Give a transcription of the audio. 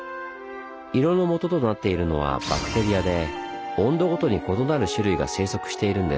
色のもととなっているのはバクテリアで温度ごとに異なる種類が生息しているんです。